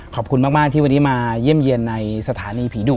ขอบคุณมากที่วันนี้มาเยี่ยมเยี่ยนในสถานีผีดุ